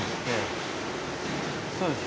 そうです。